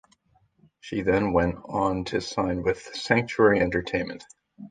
She then went on to sign with Sanctuary Entertainment.